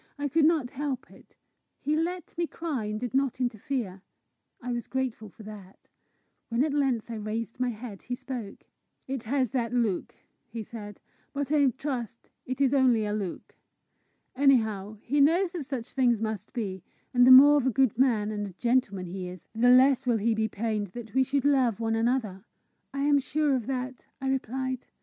I could not help it. He let me cry, and did not interfere. I was grateful for that. When at length I raised my head, he spoke. "It has that look," he said; "but I trust it is only a look. Anyhow, he knows that such things must be; and the more of a good man and a gentleman he is, the less will he be pained that we should love one another!" "I am sure of that," I replied.